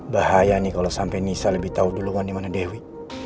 bahaya nih kalo sampe nisa lebih tau duluan dimana dewi